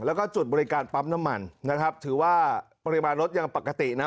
แล้วก็จุดบริการปั๊มน้ำมันนะครับถือว่าปริมาณรถยังปกตินะ